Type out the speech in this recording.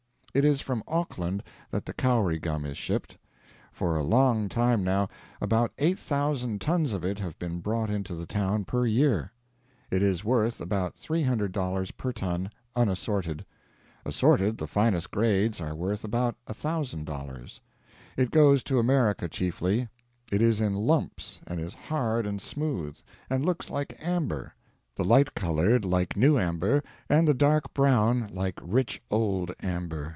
It is from Auckland that the Kauri gum is shipped. For a long time now about 8,000 tons of it have been brought into the town per year. It is worth about $300 per ton, unassorted; assorted, the finest grades are worth about $1,000. It goes to America, chiefly. It is in lumps, and is hard and smooth, and looks like amber the light colored like new amber, and the dark brown like rich old amber.